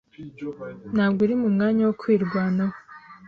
Ntabwo uri mu mwanya wo kwirwanaho.